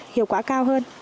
hiệu quả cao hơn